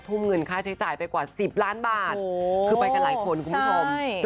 ทุ่มเงินค่าใช้จ่ายไปกว่า๑๐ล้านบาทคือไปกันหลายคนคุณผู้ชม